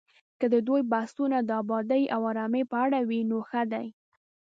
که د دوی بحثونه د ابادۍ او ارامۍ په اړه وي، نو ښه دي